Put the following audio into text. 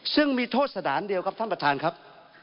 ซึ่งมีโทษสถานเดียวครับท่านประธานครับ